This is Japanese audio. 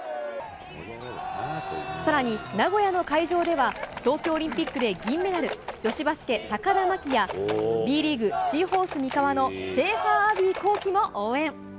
さらに、名古屋の会場では、東京オリンピックで銀メダル、女子バスケ、高田真希や、Ｂリーグ・シーホース三河のシェーファー・アヴィ幸樹の応援。